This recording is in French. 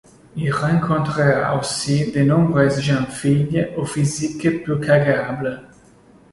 Il rencontrera aussi de nombreuses jeunes filles au physique plus qu'agréable.